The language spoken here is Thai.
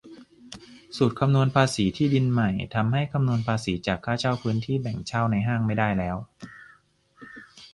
สูตรคำนวณภาษีที่ดินใหม่ ทำให้คำนวณภาษีจากค่าเช่าพื้นที่แบ่งเช่าในห้างไม่ได้แล้ว